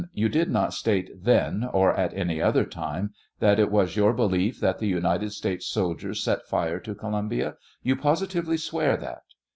You did not state, then, or at any other time, that it was your belief that the United States soldiers set fire to Columbia; you positively swear that?